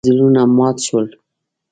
زړونه مات شول.